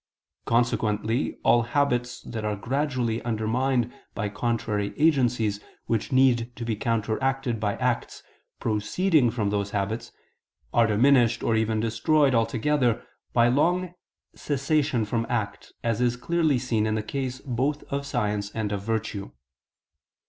Consequently all habits that are gradually undermined by contrary agencies which need to be counteracted by acts proceeding from those habits, are diminished or even destroyed altogether by long cessation from act, as is clearly seen in the case both of science and of virtue.